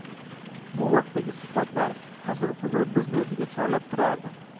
Bu vaqtdagi suhbatlar, hazil-huzul bizni o‘ziga chorlab turardi.